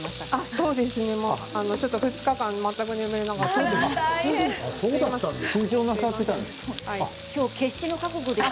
そうですね、２日間全く眠れなかったんです。